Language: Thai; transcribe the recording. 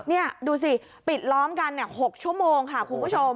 นี่ดูสิปิดล้อมกัน๖ชั่วโมงค่ะคุณผู้ชม